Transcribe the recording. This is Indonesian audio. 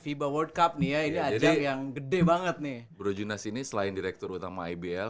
fiba world cup nih ya ini ajang yang gede banget nih bro junas ini selain direktur utama ibl